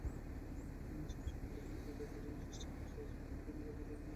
Samsung মূলত Android operating সিস্টেমনির্ভর smartphone তৈরি করেছে বাজারের শীর্ষস্থান দখল করেছে।